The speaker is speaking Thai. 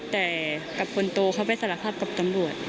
แต่กับคนโตเขาไปสารภาพกับตำรวจ